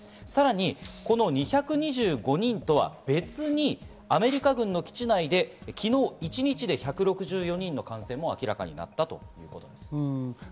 さらに、この２２５人とは別に、アメリカ軍の基地内で昨日、一日で１６８人の感染も明らかになったということです。